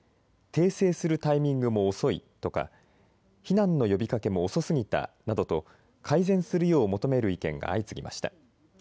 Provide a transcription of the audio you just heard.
訂正するタイミングも遅いとか避難の呼びかけも遅すぎたなどと改善するよう求める意見が相次ぎました。